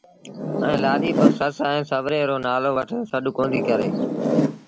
ائيٚݩ لآڏيٚ بآ سس ائيٚݩ سُوري رو نآلو وٺي سڏ ڪونديٚ ڪري